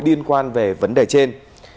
điên quan về vấn đề trên